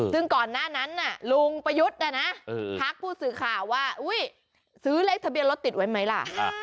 ซึ่งก่อนหน้านั้นลุงประยุทธ์ทักผู้สื่อข่าวว่าซื้อเลขทะเบียนรถติดไว้ไหมล่ะ